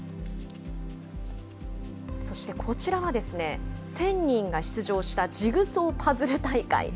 そしてこちらは、１０００人が出場したジグソーパズル大会。